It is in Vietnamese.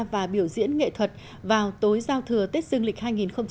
và biểu diễn nghệ thuật vào tối giao thừa tết dương lịch hai nghìn một mươi tám